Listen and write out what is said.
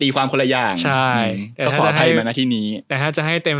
ครับ